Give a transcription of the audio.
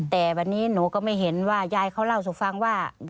แต่วันนี้หนูก็ไม่เห็นว่ายายเขาเล่าสู่ฟังว่า